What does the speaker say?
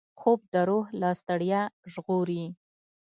خوب د روح له ستړیا ژغوري